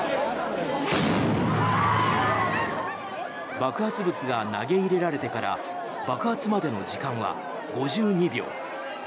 爆発物が投げ入れられてから爆発までの時間は５２秒。